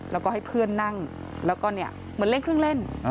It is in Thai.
แล้วก็ให้เพื่อนนั่งแล้วก็เหมือนเล่นเครื่องเล่น